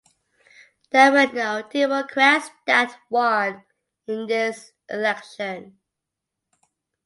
There were no Democrats that won in this election.